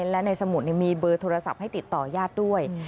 และในสมุดมีเบอร์โทรศัพท์ให้ติดต่อญาติด้วย